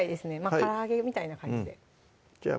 から揚げみたいな感じでじゃあ